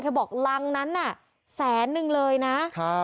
บอกรังนั้นน่ะแสนนึงเลยนะ